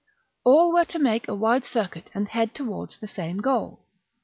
All were to make a wide circuit and head towards the same goal.